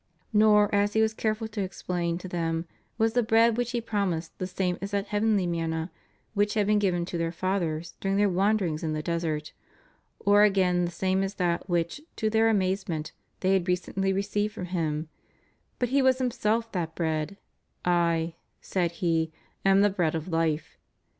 ^ Nor, as He was careful to explain to them, was the bread which He promised the same as that heavenly manna which had been given to their fathers during their wanderings in the desert, or again the same as that which, to their amazement, they had recently received from Him; but He was Himself that bread: /, said He, am the bread of life.